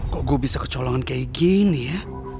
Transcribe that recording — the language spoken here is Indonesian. kok gue bisa kecolongan kayak gini ya